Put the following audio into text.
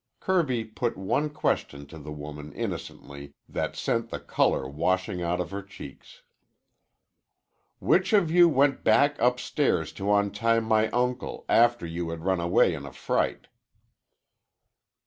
Kirby put one question to the woman innocently that sent the color washing out of her cheeks. "Which of you went back upstairs to untie my uncle after you had run away in a fright?"